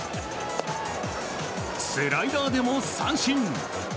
スライダーでも三振。